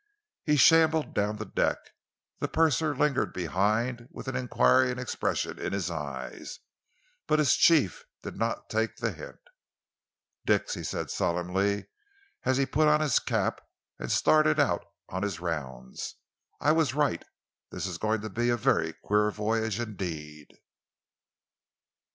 He shambled down the deck. The purser lingered behind with an enquiring expression in his eyes, but his chief did not take the hint. "Dix," he said solemnly, as he put on his cap and started out on his rounds, "I was right. This is going to be a very queer voyage indeed!"